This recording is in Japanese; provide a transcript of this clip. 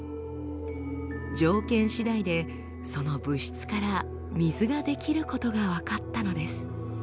条件しだいでその物質から水が出来ることが分かったのです。